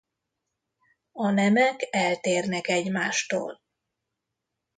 A nemek eltérnek egymástól.